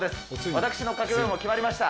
私の掛け声も決まりました。